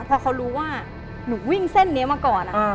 พอเขารู้ว่าหนูวิ่งเส้นนี้มาก่อน